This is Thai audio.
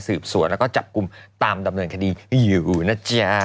สืบสวนแล้วก็จับกลุ่มตามดำเนินคดีอยู่นะเจีย